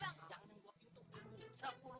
jangan yang gua pintu